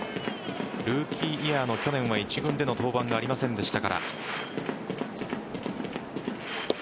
ルーキーイヤーの去年は一軍での登板がありませんでした。